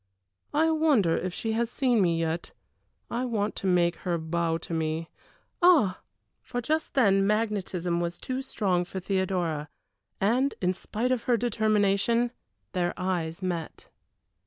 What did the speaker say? I wonder if she has seen me yet. I want to make her bow to me. Ah!" For just then magnetism was too strong for Theodora, and, in spite of her determination, their eyes met.